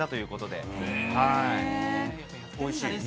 超おいしいです。